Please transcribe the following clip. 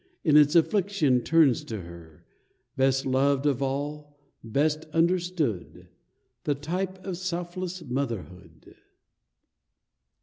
In its affliction turns to her — Best loved of all, best understood. The type of selfless motherhood